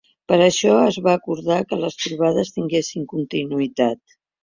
Per això es va acordar que les trobades tinguessin continuïtat.